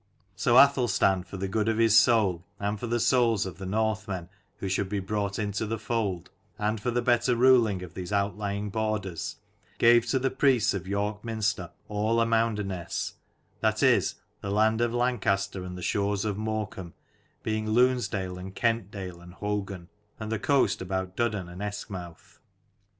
So Athelstan, for the good of his soul, and for the souls of the Northmen who should be brought into the fold, and for the better ruling of these outlying borders, gave to the priests of York Minster all Amounderness that is, the land of Lancaster and the shores of Morecambe, being Lunesdale and Kentdale and Hougun, and the coast about Duddon and Eskmouth.